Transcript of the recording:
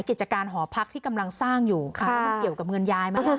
เกียรติการหอพักที่กำลังสร้างอยู่มันเกี่ยวกับเงินยายมาก